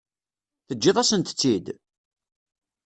Teǧǧiḍ-asent-tt-id?